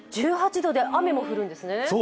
１８度で雨も降るんですね。